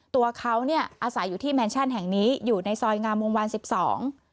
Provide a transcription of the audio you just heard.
ตัวเขาเนี่ยอาศัยอยู่ที่แมนชั่นแห่งนี้อยู่ในซอยงามวงวานสิบสอง